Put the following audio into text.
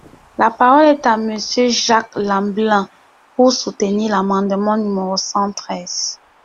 La parole est à Monsieur Jacques Lamblin, pour soutenir l’amendement numéro cent treize.